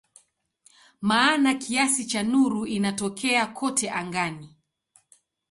Maana kiasi cha nuru inatokea kote angani.